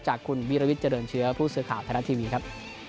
จากคุณวิรวิทย์เจริญเชื้อผู้สื่อข่าวไทยรัฐทีวีครับ